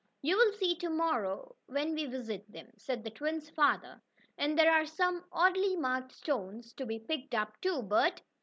"You'll see to morrow, when we visit them," said the twins' father. "And there are some oddly marked stones to be picked up, too, Bert.